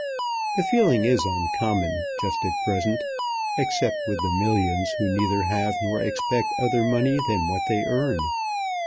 The feeling is uncommon just at present, except with the millions who neither have nor expect other money than what they earn.